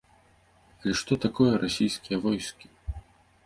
Але што такое расійскія войскі?